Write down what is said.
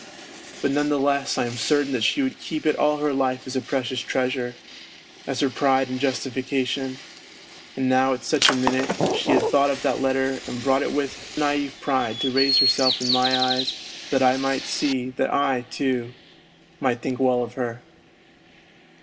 But none the less, I am certain that she would keep it all her life as a precious treasure, as her pride and justification, and now at such a minute she had thought of that letter and brought it with naive pride to raise herself in my eyes that I might see, that I, too, might think well of her.